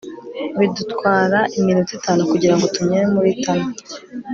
bidutwara iminota itanu kugirango tunyure muri tunnel